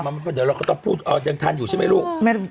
เดี๋ยวเราก็ต้องพูดยังทันอยู่ใช่ไหมลูก